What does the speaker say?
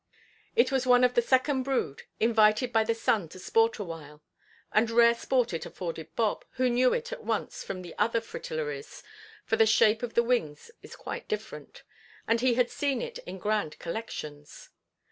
It was one of the second brood, invited by the sun to sport awhile. And rare sport it afforded Bob, who knew it at once from the other fritillaries, for the shape of the wings is quite different, and he had seen it in grand collections.